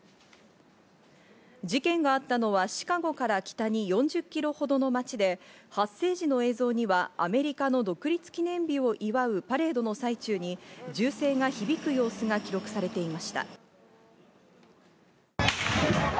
事件があったのはシカゴから北に４０キロほどの町で発生時の映像にはアメリカの独立記念日を祝うパレードの最中に銃声が響く様子が記録されています。